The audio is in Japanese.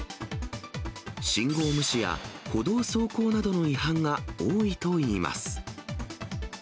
信号無視や歩道走行などの違反が多いといいます。